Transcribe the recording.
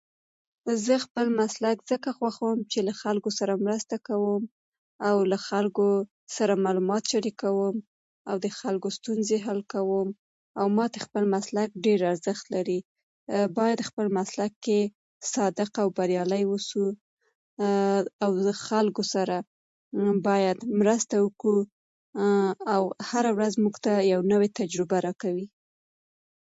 آيا دا ممکنه ده چې يو انسان دې په يوازې ځان د يوې ټولنې ټول دودونه او کلتوري ارزښتونه بدل کړي ؟